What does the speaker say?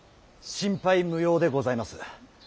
心配無用でございます。